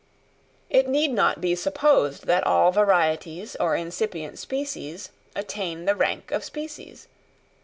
It need not be supposed that all varieties or incipient species attain the rank of species.